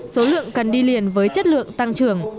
số lượng cần đi liền với chất lượng tăng trưởng